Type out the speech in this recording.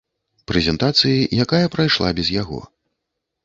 Прэзентацыі, якая прайшла без яго.